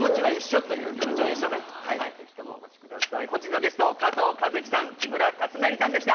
本日のゲスト、加藤和樹さん、木村達成さんでした。